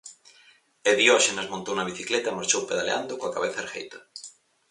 E Dióxenes montou na bicicleta e marchou pedaleando coa cabeza ergueita.